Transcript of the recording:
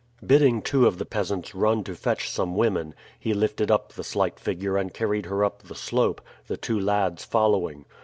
Bidding two of the peasants run to fetch some women, he lifted up the slight figure and carried her up the slope, the two lads following.